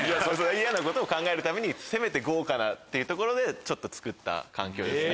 嫌なことを考えるためにせめて豪華なっていうところでちょっとつくった環境ですね。